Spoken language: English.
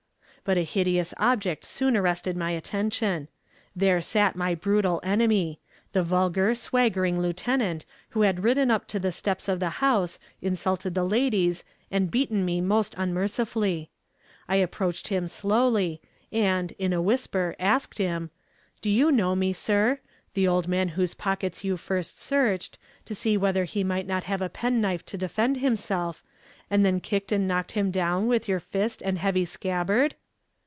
But a hideous object soon arrested my attention. There sat my brutal enemy , the vulgar, swaggering lieutenant, who had ridden up to the steps of the house, insulted the ladies, and beaten me most unmercifully. I approached him slowly, and, in a whisper asked him: 'Do you know me, sir? the old man whose pockets you first searched, to see whether he might not have a penknife to defend himself, and then kicked and knocked him down with your fist and heavy scabbard?'